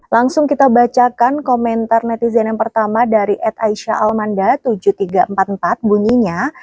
langsung kita bacakan komentar netizen yang pertama dari ed aisyah almanda tujuh ribu tiga ratus empat puluh empat bunyinya